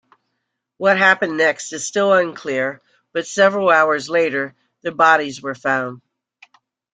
What happened next is still unclear, but several hours later, their bodies were found.